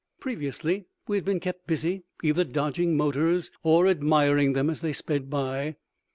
Previously we had been kept busy either dodging motors or admiring them as they sped by.